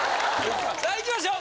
さあいきましょう！